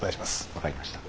分かりました。